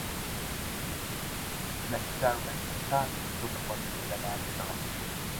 Dakika arobaini na tano kutoka kwa jiji la Dar es Salaam